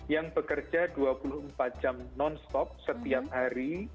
yang bekerja dua puluh empat jam non stop setiap hari